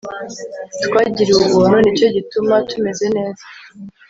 twagiriwe ubuntu ni cyo gituma tumeze neza